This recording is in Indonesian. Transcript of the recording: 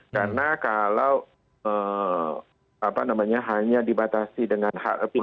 karena kalau hanya dibatasi dengan hard approach dan soft approach